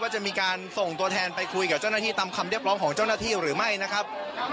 จะมีการส่งตัวแทนไปคุยกับเจ้าหน้าที่ตามคำเรียกร้องของเจ้าหน้าที่หรือไม่นะครับ